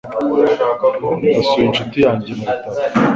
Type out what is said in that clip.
Ndasuye inshuti yanjye mubitaro.